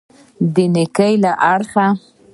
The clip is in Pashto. د نېکۍ له اړخه.